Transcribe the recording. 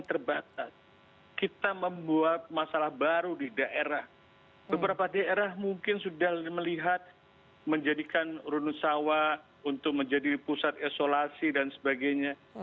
terbatas kita membuat masalah baru di daerah beberapa daerah mungkin sudah melihat menjadikan runu sawah untuk menjadi pusat isolasi dan sebagainya